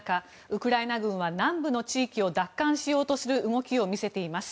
ウクライナ軍は南部の地域を奪還しようとする動きを見せています。